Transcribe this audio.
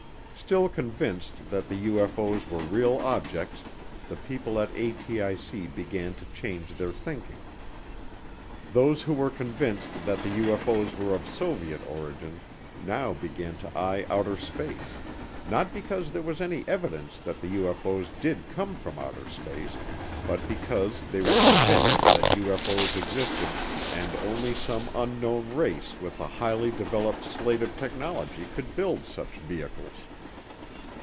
Still convinced that the UFO's were real objects, the people at ATIC began to change their thinking. Those who were convinced that the UFO's were of Soviet origin now began to eye outer space, not because there was any evidence that the UFO's did come from outer space but because they were convinced that UFO's existed and only some unknown race with a highly developed state of technology could build such vehicles.